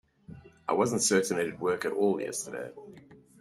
I wasn't certain it'd work at all yesterday.